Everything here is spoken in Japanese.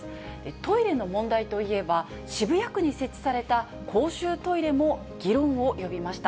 トイレの問題といえば、渋谷区に設置された公衆トイレも議論を呼びました。